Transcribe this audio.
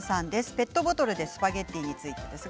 ペットボトルでスパゲッティについてです。